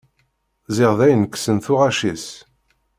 Ziɣ dayen kksen tuɣac-is.